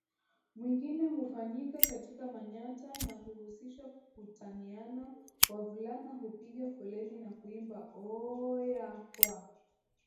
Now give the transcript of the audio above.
mwingine hufanyika katika manyatta na kuhusisha kutaniana Wavulana hupiga foleni na kuimba Ooooohyah kwa